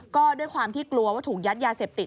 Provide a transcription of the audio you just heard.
ก็ด้วยความที่กลัวว่าถูกยัดยาเสพติด